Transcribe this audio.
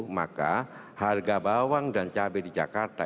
maka harga bawang dan cabai di jakarta